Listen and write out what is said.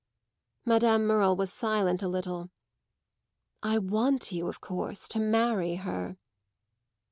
Madame Merle was silent a little. "I want you of course to marry her."